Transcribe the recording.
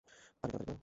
আরে তাড়াতাড়ি করো।